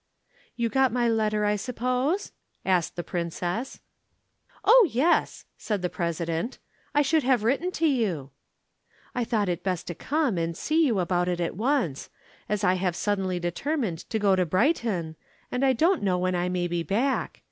"You got my letter, I suppose?" asked the Princess. "Oh, yes," said the President. "I should have written to you." "I thought it best to come and see you about it at once, as I have suddenly determined to go to Brighton, and I don't know when I may be back.